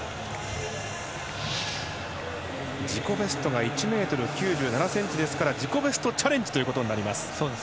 自己ベストが１ｍ９７ｃｍですから自己ベストチャレンジということになります。